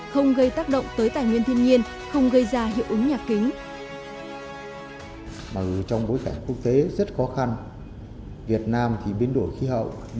không gây tác động tới tài nguyên thiên nhiên không gây ra hiệu ứng nhà kính